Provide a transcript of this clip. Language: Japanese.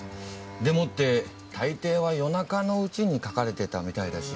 でもって大抵は夜中のうちに描かれてたみたいだし。